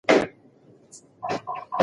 تاسو باید تل د پوهنې له بهیر څخه ملاتړ وکړئ.